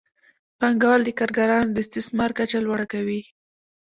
پانګوال د کارګرانو د استثمار کچه لوړه کوي